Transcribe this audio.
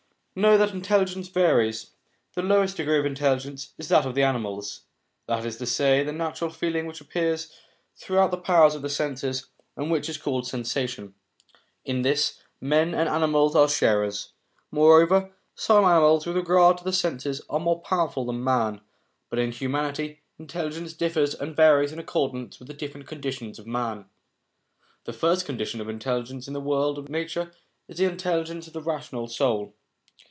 Know that intelligence varies ; the lowest degree of intelligence is that of the animals, that is to say, the natural feeling which appears through the powers of the senses, and which is called sensation. In this, men and animals are sharers ; moreover, some animals with regard to the senses are more powerful than man. But in humanity, intelligence differs and varies in accordance with the different conditions of man. The first condition of intelligence in the world of nature is the intelligence of the rational soul.